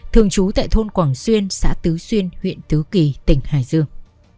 thường trú tại thôn quảng xuyên xã tứ xuyên huyện tứ kỳ tỉnh hải dương